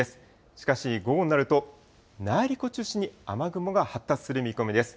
しかし午後になると、内陸を中心に雨雲が発達する見込みです。